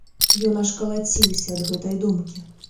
Ён аж калаціўся ад гэтай думкі.